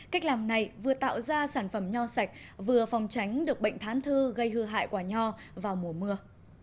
cách làm này vừa tạo ra sản phẩm nho sạch vừa phòng tránh được bệnh thán thư gây hư hại quả nho vào mùa mưa